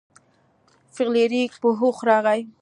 فلیریک په هوښ راغی.